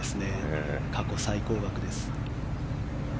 過去最高額です。